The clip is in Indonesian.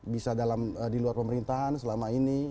bisa di luar pemerintahan selama ini